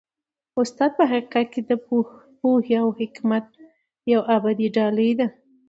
استاد په حقیقت کي د پوهې او حکمت یوه ابدي ډالۍ ده.